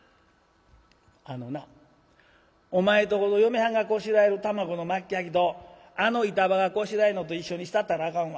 「あのなお前とこの嫁はんがこしらえる卵の巻焼きとあの板場がこしらえるのと一緒にしたったらあかんわ。